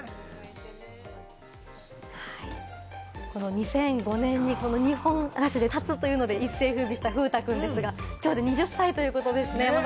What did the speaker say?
２００５年に２本足で立つということで一斉風靡した風太くんですが、きょうで２０歳ということですね。